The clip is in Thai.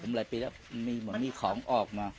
ผมหลายปีแล้วมีของออกมา